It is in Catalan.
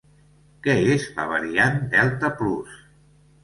Què és la variant delta plus?